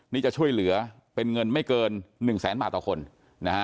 นี่จะช่วยเหลือเป็นเงินไม่เกิน๑๐๐๐๐๐บาทต่อคน